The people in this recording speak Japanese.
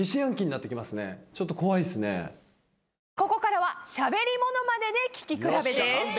ここからはしゃべりモノマネで聴き比べです。